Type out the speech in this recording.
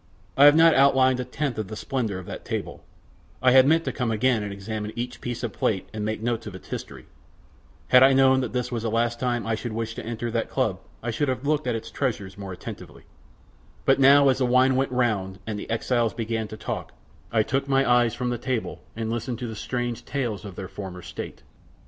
I have not outlined a tenth of the splendour of that table, I had meant to come again and examine each piece of plate and make notes of its history; had I known that this was the last time I should wish to enter that club I should have looked at its treasures more attentively, but now as the wine went round and the exiles began to talk I took my eyes from the table and listened to strange tales of their former state.